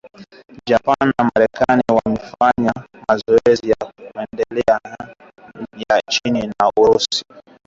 Japan na Marekani wamefanya mazoezi ya ndege za kijeshi saa chache baada ya China na Russia